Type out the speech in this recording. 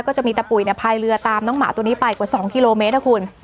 ก็จะมีตะปุ๋ยเนี้ยพายเรือตามน้องหมาตัวนี้ไปกว่าสองกิโลเมตรคุณ